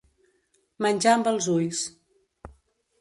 Menjar amb els ulls.